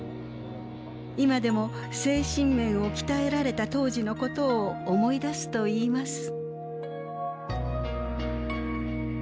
今でも精神面を鍛えられた当時のことを思い出すといいます。